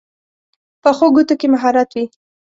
پخو ګوتو کې مهارت وي